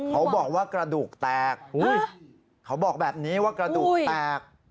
เขาบอกว่ากระดูกแตกเขาบอกแบบนี้ว่ากระดูกแตก